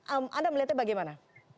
anda melihatnya bagaimana